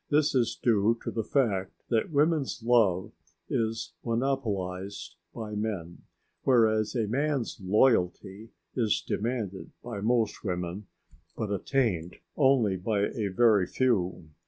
This is due to the fact that woman's love is monopolised by men, whereas a man's loyalty is demanded by most women but attained only by very few.